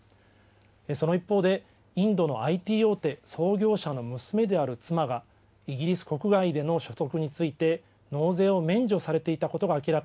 その一方で、インドのＩＴ大手創業者の娘である妻が、イギリス国外での所得について、納税を免除されていたことが明ら